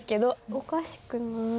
おかしくない。